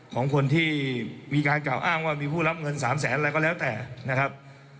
ของคนที่มีการกล่าวอ้างว่ามีผู้รับเงิน๓แสนอะไรก็แล้วแต่นะครับ